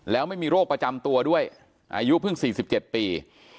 แล้วไม่มีโรคประจำตัวด้วยอายุเพิ่ง๔๗ปี